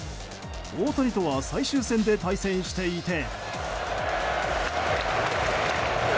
大谷とは最終戦で対戦していて。